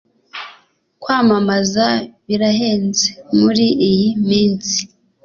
Kwamamaza birahenze muri iyi minsi